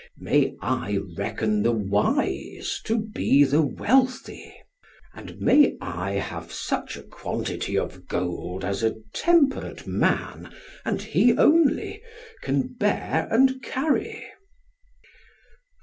May I reckon the wise to be the wealthy, and may I have such a quantity of gold as a temperate man and he only can bear and carry.